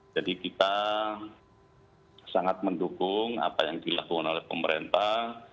jadi kita sangat mendukung apa yang dilakukan oleh pemerintah